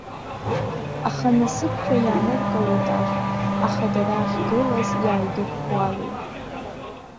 Аха насыԥшәа иааныркылеит ашә, аха дара ахьгылаз иааидыӷәӷәалеит.